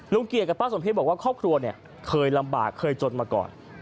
เกียรติกับป้าสมเพชรบอกว่าครอบครัวเนี่ยเคยลำบากเคยจนมาก่อน